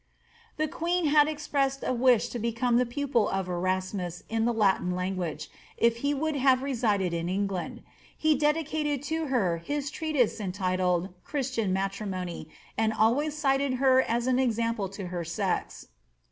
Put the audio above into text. The queen had expressed a wish to become the pupil of Erasmus in the Latin language, if he would have resided in England ; he dedicated to her his treatise entitled ^ Christian Matrimony," and always cited her as an example to her sex.